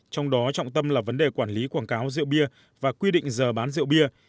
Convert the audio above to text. trong đó trọng tâm là vấn đề quản lý quảng cáo rượu bia và quy định giờ bán rượu bia